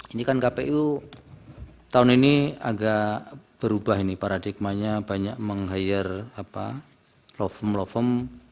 ini kan kpu tahun ini agak berubah ini paradigmanya banyak meng hire law form